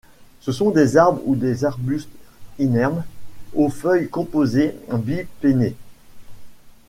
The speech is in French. Ce sont des arbres ou des arbustes inermes, aux feuilles composées bipennées.